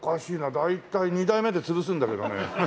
大体２代目で潰すんだけどね。